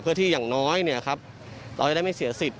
เพื่อที่อย่างน้อยเราจะได้ไม่เสียสิทธิ